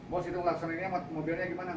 bos itu melaksanainya mobilnya gimana